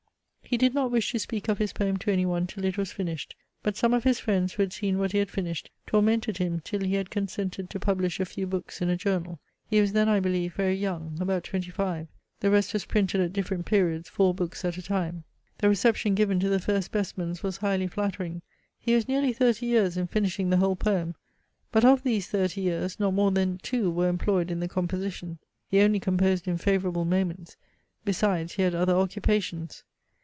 He did not wish to speak of his poem to any one till it was finished: but some of his friends who had seen what he had finished, tormented him till he had consented to publish a few books in a journal. He was then, I believe, very young, about twenty five. The rest was printed at different periods, four books at a time. The reception given to the first specimens was highly flattering. He was nearly thirty years in finishing the whole poem, but of these thirty years not more than two were employed in the composition. He only composed in favourable moments; besides he had other occupations.